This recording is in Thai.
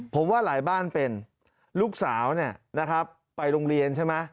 ผมว่าหลายบ้านเป็นลูกสาวเนี่ยนะครับไปโรงเรียนใช่ไหม